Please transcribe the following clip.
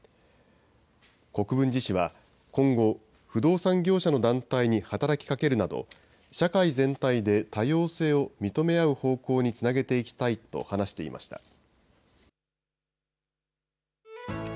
国分寺市は今後、不動産業者の団体に働きかけるなど、社会全体で多様性を認め合う方向につなげていきたいと話していました。